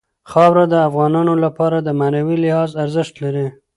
خاوره د افغانانو لپاره په معنوي لحاظ ارزښت لري.